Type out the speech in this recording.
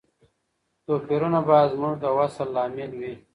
توپیرونه باید زموږ د وصل لامل وي.